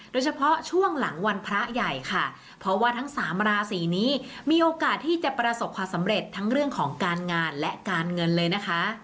โดยเฉพาะช่วงหลังวันพระใหญ่ค่ะเพราะว่าทั้งสามราศีนี้มีโอกาสที่จะประสบความสำเร็จทั้งเรื่องของการงานและการเงินเลยนะคะ